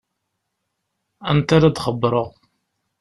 Anta ara d-xebbṛeɣ?